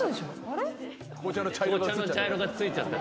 紅茶の茶色が付いちゃった。